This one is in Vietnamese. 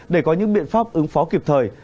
để có những biện pháp ứng phó kịp thời